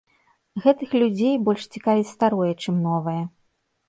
Гэтых людзей больш цікавіць старое, чым новае.